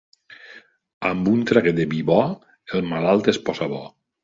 Amb un traguet de vi bo el malalt es posa bo.